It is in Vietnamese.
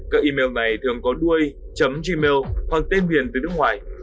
các email này thường có đuôi chấm gmail hoặc tên viền từ nước ngoài